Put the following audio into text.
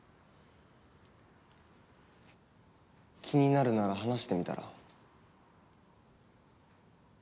気になるなら話してみたら？